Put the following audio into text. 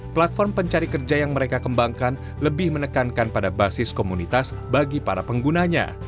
platform pencari kerja yang mereka kembangkan lebih menekankan pada basis komunitas bagi para penggunanya